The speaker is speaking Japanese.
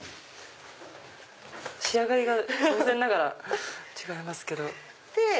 仕上がりが当然ながら違いますけど。